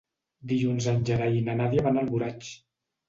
Dilluns en Gerai i na Nàdia van a Alboraig.